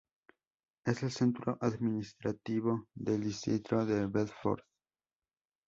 Es el centro administrativo del distrito de Bedford.